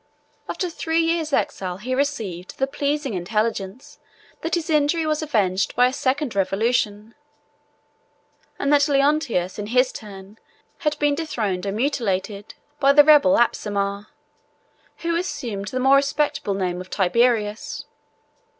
After three years' exile, he received the pleasing intelligence that his injury was avenged by a second revolution, and that Leontius in his turn had been dethroned and mutilated by the rebel Apsimar, who assumed the more respectable name of Tiberius.